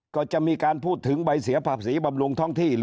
ก็จะมีการพูดถึงใบเสียภาษีบำรุงท้องที่